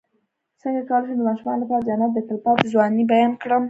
څنګه کولی شم د ماشومانو لپاره د جنت د تل پاتې ځوانۍ بیان کړم